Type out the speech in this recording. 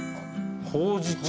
ほうじ茶